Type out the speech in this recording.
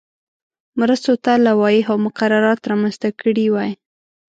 مرستو ته لوایح او مقررات رامنځته کړي وای.